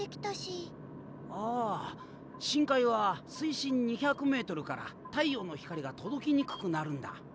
ああ深海は水深２００メートルから太陽の光が届きにくくなるんだ。